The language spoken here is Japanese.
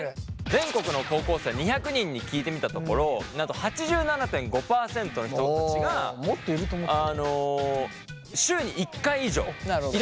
全国の高校生２００人に聞いてみたところなんと８７．５％の人たちが週に１回以上イラっとすると答えたんですって。